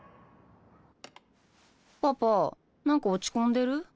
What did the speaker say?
パパ何か落ち込んでる？